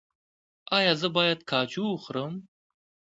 ایا زه باید کاجو وخورم؟